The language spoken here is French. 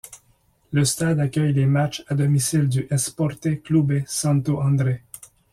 Le stade accueille les matchs à domicile du Esporte Clube Santo André.